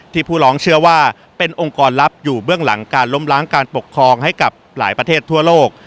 ผู้ร้องเชื่อว่าเป็นองค์กรลับอยู่เบื้องหลังการล้มล้างการปกครองให้กับหลายประเทศทั่วโลก